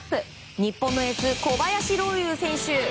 日本のエース、小林陵侑選手。